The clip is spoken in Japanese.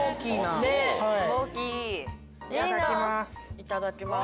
いただきます。